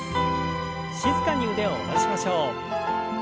静かに腕を下ろしましょう。